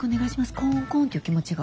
コンコンっていう気持ちが。